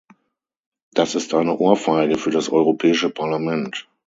Das ist eine Ohrfeige für das Europäische Parlament.